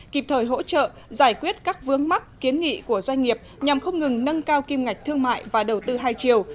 kịp thời hỗ trợ giải quyết các vướng mắc kiến nghị của doanh nghiệp nhằm không ngừng nâng cao kim ngạch thương mại và đầu tư hai chiều